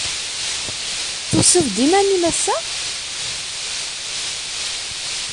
Tusid-d i yiman-nnem, ass-a?